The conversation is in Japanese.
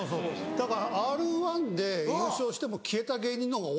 だから『Ｒ−１』で優勝しても消えた芸人のが多いですよね。